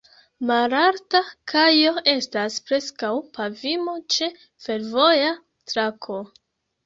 Malalta kajo estas preskaŭ pavimo ĉe fervoja trako.